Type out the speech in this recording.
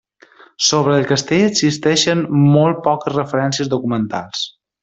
Sobre el castell existeixen molt poques referències documentals.